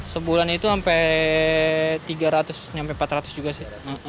sebulan itu sampai tiga ratus sampai empat ratus juga sih